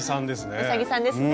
うさぎさんですね。